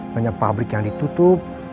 banyak pabrik yang ditutup